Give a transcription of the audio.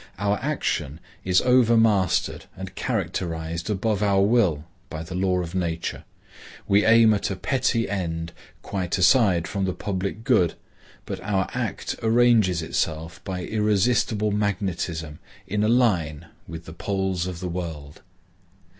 Our action is overmastered and characterized above our will by the law of nature. We aim at a petty end quite aside from the public good, but our act arranges itself by irresistible magnetism in a line with the poles of the world.